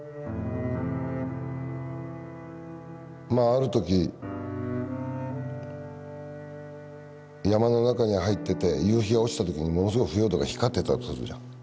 ある時山の中に入ってて夕日が落ちた時にものすごい腐葉土が光ってたとするじゃん。